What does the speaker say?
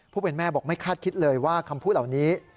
เป็นแม่บอกไม่คาดคิดเลยว่าคำพูดเหล่านี้